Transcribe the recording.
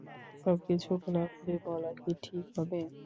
সবকিছু খোলাখুলি বলা কি ঠিক হবে?